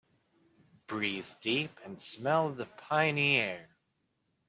Breathe deep and smell the piny air.